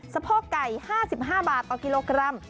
สะโพกไก่๕๕บาทต่อกิโลกรัม